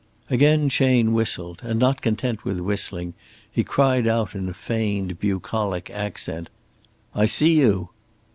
Again Chayne whistled and, not content with whistling, he cried out in a feigned bucolic accent: "I see you."